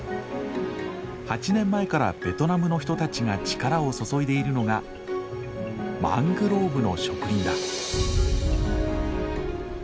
８年前からベトナムの人たちが力を注いでいるのがマングローブの植林だ。